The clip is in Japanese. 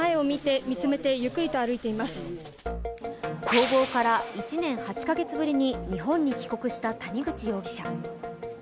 逃亡から１年８カ月ぶりに日本に帰国した谷口容疑者。